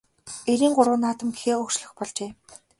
Эрийн гурван наадам гэхээ өөрчлөх болжээ.